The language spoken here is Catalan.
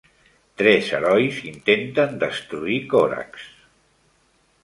Tres herois intenten destruir Korax.